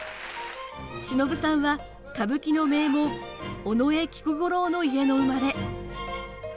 しのぶさんは歌舞伎の名門、尾上菊五郎の家の生まれ。